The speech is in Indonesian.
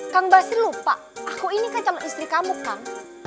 kang basri lupa aku ini kan calon istri kamu kang